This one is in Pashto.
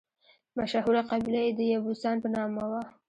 مشهوره قبیله یې د یبوسان په نامه وه.